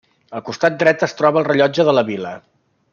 Al costat dret es troba el rellotge de la vila.